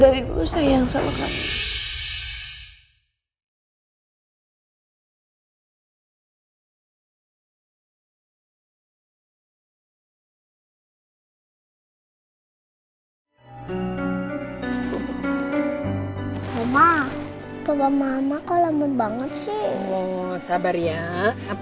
lo cemburu ya